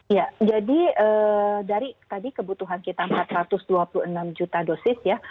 ya jadi dari tadi kebutuhan kita empat ratus dua puluh enam juta dosis ya